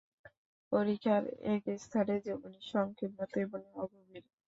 পরিখার এক স্থান যেমনি সংকীর্ণ তেমনি অগভীর।